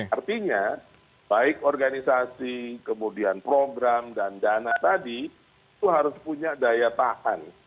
artinya baik organisasi kemudian program dan dana tadi itu harus punya daya tahan